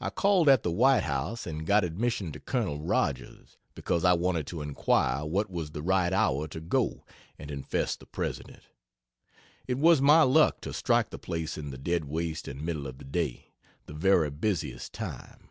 I called at the White House, and got admission to Col. Rodgers, because I wanted to inquire what was the right hour to go and infest the President. It was my luck to strike the place in the dead waste and middle of the day, the very busiest time.